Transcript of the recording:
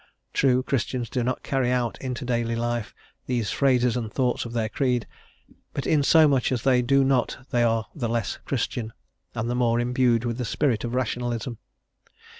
True, Christians do not carry out into daily life these phrases and thoughts of their creed, but in so much as they do not they are the less Christian, and the more imbued with the spirit of Rationalism.